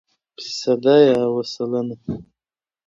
فیصده √ سلنه